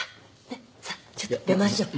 さぁちょっと出ましょう。